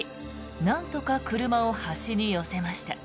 なんとか車を端に寄せました。